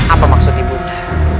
apa maksud ibu nda